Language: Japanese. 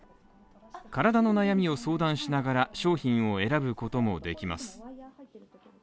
体の悩みを相談しながら商品を選ぶこともできます。